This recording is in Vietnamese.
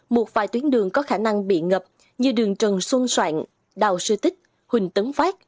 một vài tuyến đường có khả năng bị ngập như đường trần xuân soạn đào sư tích huỳnh tấn phát